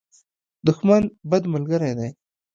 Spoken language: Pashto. دښمن، بد ملګری دی.